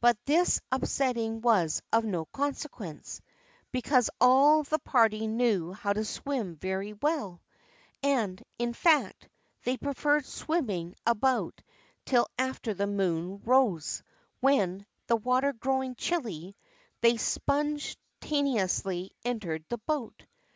But this upsetting was of no consequence, because all the party knew how to swim very well; and, in fact, they preferred swimming about till after the moon rose, when, the water growing chilly, they sponge taneously entered the boat.